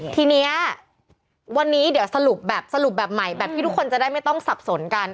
ทีนี้วันนี้เดี๋ยวสรุปแบบสรุปแบบใหม่แบบที่ทุกคนจะได้ไม่ต้องสับสนกัน